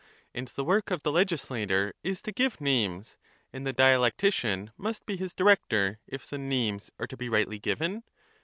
And the work of the legislator is to give names, and the dialectician must be his director if the names are to be rightly given?